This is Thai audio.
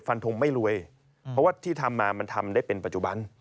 ทงไม่รวยเพราะว่าที่ทำมามันทำได้เป็นปัจจุบัน